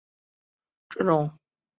这种钝头蛇主要以蜗牛为食。